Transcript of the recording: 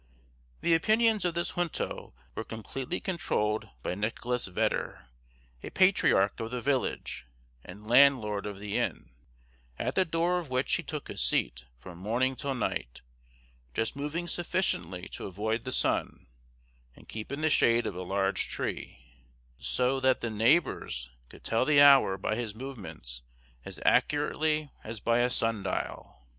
The opinions of this junto were completely controlled by Nicholas Vedder, a patriarch of the village, and landlord of the inn, at the door of which he took his seat from morning till night, just moving sufficiently to avoid the sun, and keep in the shade of a large tree; so that the neighbors could tell the hour by his movements as accurately as by a sun dial.